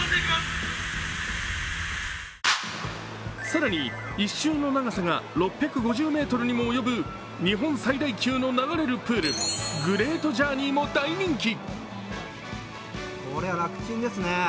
更に１周の長さが６５０ｍにも及ぶ日本最大級の流れるプール、グレートジャーニーも大人気。